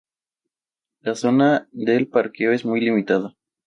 La zona de parqueo es muy limitada.